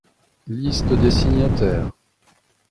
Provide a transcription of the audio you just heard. Liste des signataires.